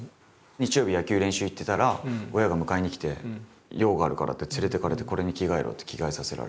日曜日野球練習行ってたら親が迎えにきて用があるからって連れていかれてこれに着替えろって着替えさせられて。